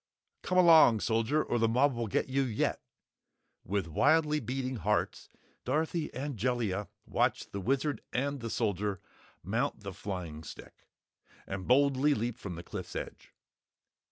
"Come along, Soldier, or the mob will get you yet!" With wildly beating hearts, Dorothy and Jellia watched the Wizard and the Soldier mount the flying stick and boldly leap from the cliff's edge.